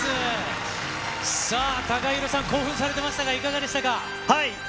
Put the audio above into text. さあ、ＴＡＫＡＨＩＲＯさん、興奮されていましたが、いかがでしたか。